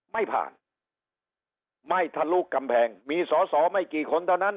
ไม่ผ่านไม่ทะลุกำแพงมีสอสอไม่กี่คนเท่านั้น